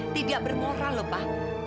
tidak bermoral pak